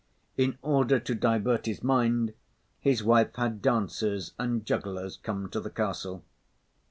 In order to divert his mind, his wife had dancers and jugglers come to the castle.